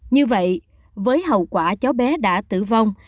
như vậy với hậu quả cháu bé đã tử vong